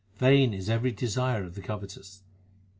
Vain is every desire of the covetous.